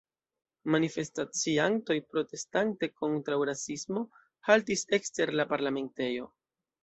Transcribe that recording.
Manifestaciantoj, protestante kontraŭ rasismo, haltis ekster la parlamentejo.